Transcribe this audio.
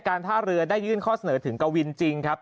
ท่าเรือได้ยื่นข้อเสนอถึงกวินจริงครับ